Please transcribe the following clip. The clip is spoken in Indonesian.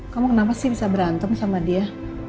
kamu kenapa sih bisa berantem sama dia